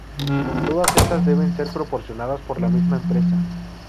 Todas estas deben ser proporcionadas por la misma empresa.